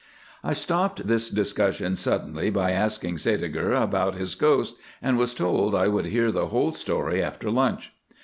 I stopped this discussion suddenly by asking Sædeger about his ghost, and was told I would hear the whole story after lunch.